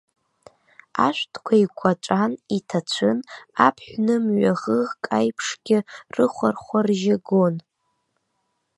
Ашәҭқәа еиқәаҵәан, иҭацәын, аԥҳә нымҩа ӷыӷк аиԥшгьы рыхәархәаржьы гон.